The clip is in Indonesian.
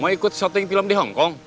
mau ikut shorthing film di hongkong